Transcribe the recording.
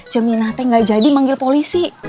jaminatnya ga jadi manggil polisi